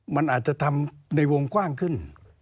มันอาจจะทำในวงกว้างขึ้น